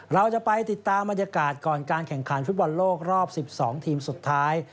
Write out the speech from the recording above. เราจะไปติดตามบรรยากาศก่อนการแข่งขันฟุตบอลโลกรอบ๑๒ทีมสุดท้าย